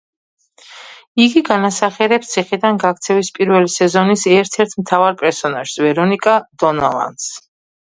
იგი განასახიერებს ციხიდან გაქცევის პირველი სეზონის ერთ-ერთ მთავარ პერსონაჟს, ვერონიკა დონოვანს.